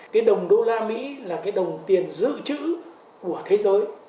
cái đồng đô la mỹ là cái đồng tiền dự trữ của thế giới